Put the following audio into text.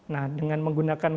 nah dengan menggunakan komputer